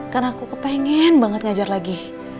karena aku kepengen banget ngajar lagi